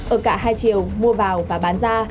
ở cả hai triệu mua vào và bán ra